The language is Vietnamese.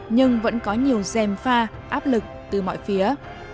nhưng vẫn có nhiều dèm pha áp lực từ mọi phía